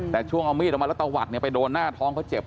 แต่ช่วงเอามีดออกมาแล้วตะวัดเนี่ยไปโดนหน้าท้องเขาเจ็บ